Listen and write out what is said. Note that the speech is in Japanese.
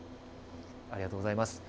ありがとうございます。